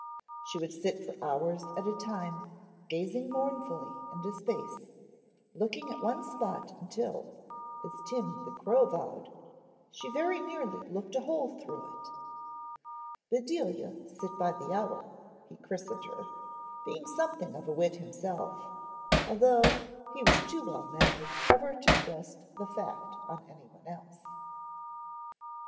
She would sit for hours at a time gazing mournfully into space, looking at one spot until, as Tim the crow vowed, she very nearly looked a hole through it. "Bedelia sit by the hour" he christened her, being something of a wit himself, although he was too well mannered ever to thrust the fact on anyone else.